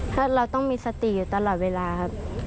ถ้าเราต้องมีสติอยู่ตลอดเวลาครับ